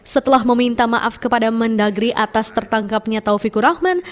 setelah meminta maaf kepada mendagri atas tertangkapnya taufikur rahman